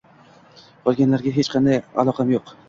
Qolganlarga hech qanday aloqam yo'q.